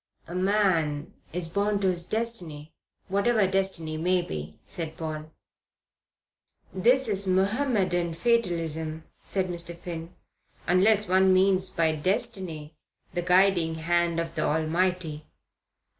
"A man is born to his destiny, whatever destiny may be," said Paul. "That is Mohammedan fatalism," said Mr. Finn, "unless one means by destiny the guiding hand of the Almighty.